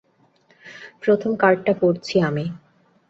প্রথম কার্ডটা পড়ছি আমি।